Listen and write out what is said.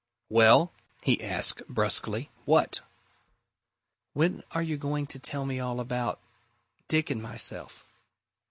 "Well?" he asked brusquely. "What?" "When are you going to tell me all about Dick and myself?"